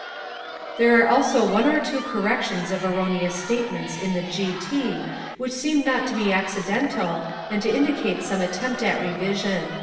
* There are also one or two corrections of erroneous statements in the G. T. which seem not to be accidental and to indicate some attempt at revision.